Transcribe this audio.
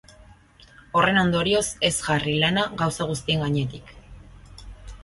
Horren ondorioz, ez jarri lana gauza guztien gainetik.